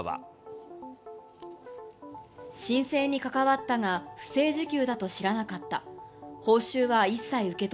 申請に関わったが、不正受給だと知らなかった。